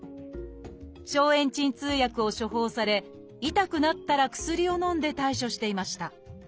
消炎鎮痛薬を処方され痛くなったら薬をのんで対処していました。